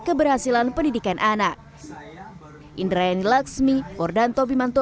keberhasilan pendidikan anak indra yani laksmi hordanto bimantung